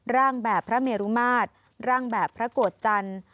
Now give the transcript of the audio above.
แบบพระเมรุมาตรร่างแบบพระโกรธจันทร์